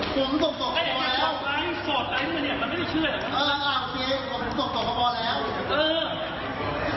โปรดติดตามตอนต่อไป